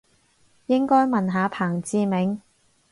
應該問下彭志銘